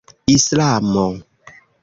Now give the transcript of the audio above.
islamo